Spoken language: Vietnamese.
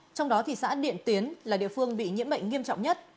trong đó thì xã điện tiến là địa phương bị nhiễm bệnh nghiêm trọng nhất